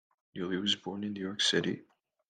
Newley was born in New York City.